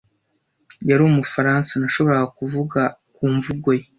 Yari Umufaransa. Nashoboraga kuvuga ku mvugo ye.